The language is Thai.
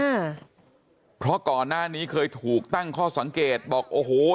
อืมเพราะก่อนหน้านี้เคยถูกตั้งข้อสังเกตบอกโอ้โห